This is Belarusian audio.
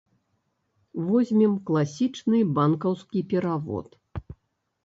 Возьмем класічны банкаўскі перавод.